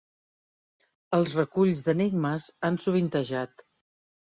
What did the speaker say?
Els reculls d'enigmes han sovintejat.